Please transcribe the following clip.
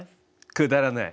くだらない？